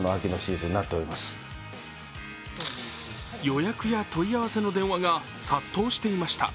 予約や問い合わせの電話が殺到していました。